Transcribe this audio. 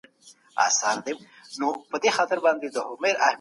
پوه سړي د ټولني ذهنونه روښانه کړي دي.